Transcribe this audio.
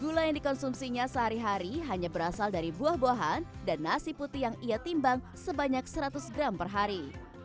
gula yang dikonsumsinya sehari hari hanya berasal dari buah buahan dan nasi putih yang ia timbang sebanyak seratus gram per hari